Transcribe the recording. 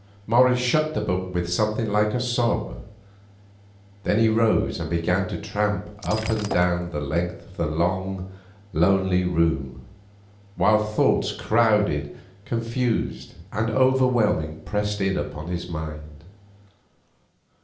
Morris shut the book with something like a sob. Then he rose and began to tramp up and down the length of the long, lonely room, while thoughts, crowded, confused, and overwhelming, pressed in upon his mind.